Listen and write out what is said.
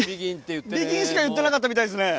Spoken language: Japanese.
ＢＥＧＩＮしか言ってなかったみたいですね。